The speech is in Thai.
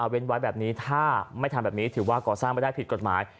เว้นไว้แบบนี้ถ้าไม่ทำแบบนี้ถือว่าก่อสร้างไม่ได้ผิดกฎหมาย